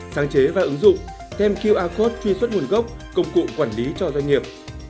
sáng chế và ứng dụng thêm qr code truy xuất nguồn gốc công cụ quản lý cho doanh nghiệp